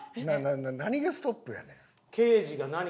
何がストップやねん。